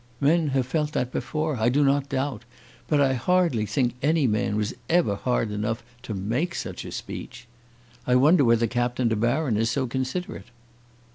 Men have felt that before, I do not doubt; but I hardly think any man was ever hard enough to make such a speech. I wonder whether Captain De Baron is so considerate."